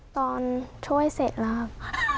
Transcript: ตอนช่วยเสร็จแล้ว